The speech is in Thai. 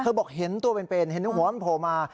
บอกเห็นตัวเป็นเห็นหัวมันโผล่มา